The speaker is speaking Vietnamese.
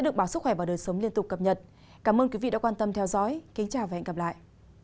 được bảo sức khỏe và đời sống liên tục cập nhật cảm ơn quý vị đã quan tâm theo dõi kính chào và hẹn gặp lại